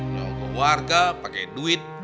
ngomong ke warga pakai duit